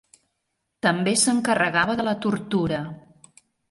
També s'encarregava de la tortura.